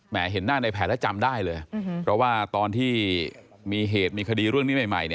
เห็นหน้าในแผนแล้วจำได้เลยเพราะว่าตอนที่มีเหตุมีคดีเรื่องนี้ใหม่